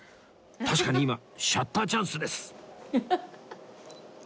確かに今シャッターチャンスです！